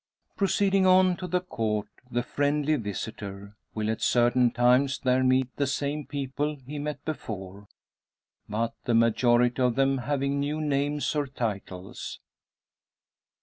Proceeding on to the Court the friendly visitor will at certain times there meet the same people he met before; but the majority of them having new names or titles.